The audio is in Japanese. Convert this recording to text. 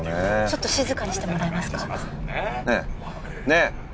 ちょっと静かにしてもらえますかねえねえ